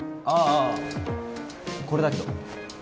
ああこれだけど。